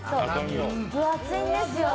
分厚いんですよ。